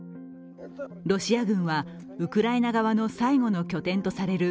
ロシア軍はウクライナ側の最後の拠点とされる